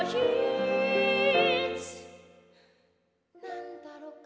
「なんだろうか？